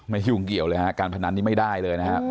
ยุ่งเกี่ยวเลยฮะการพนันนี้ไม่ได้เลยนะครับ